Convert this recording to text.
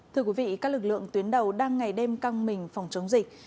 thưa quý vị các lực lượng tuyến đầu đang ngày đêm căng mình phòng chống dịch